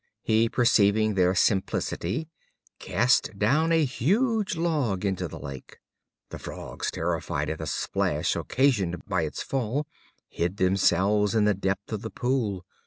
He, perceiving their simplicity, cast down a huge log into the lake. The Frogs, terrified at the splash occasioned by its fall, hid themselves in the depth of the pool.